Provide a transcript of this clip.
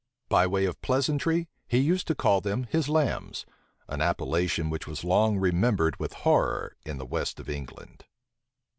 By way of pleasantry, he used to call them his lambs; an appellation which was long remembered with horror in the west of England.